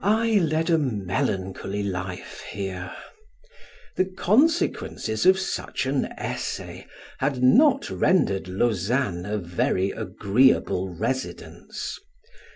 I led a melancholy life here; the consequences of such an essay had not rendered Lausanne a very agreeable residence.